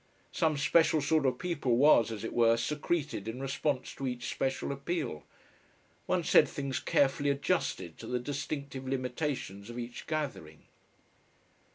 Some special sort of people was, as it were, secreted in response to each special appeal. One said things carefully adjusted to the distinctive limitations of each gathering.